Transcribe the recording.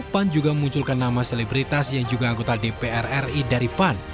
pan juga memunculkan nama selebritas yang juga anggota dpr ri dari pan